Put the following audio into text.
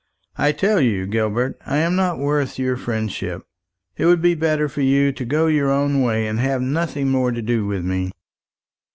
I tell you, Gilbert, I am not worth your friendship. It would be better for you to go your own way, and have nothing more to do with me."